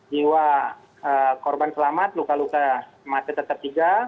enam puluh tiga jiwa korban selamat luka luka masih tetap tiga